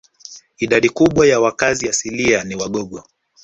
Idadi kubwa ya wakazi asilia ni Wagogo